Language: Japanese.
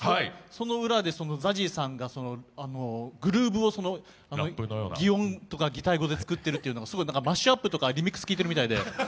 その裏でＺＡＺＹさんがグルーブを擬音とか擬態語で聞いているのがすごいマッシュアップとか、リミックスを聴いているみたいで。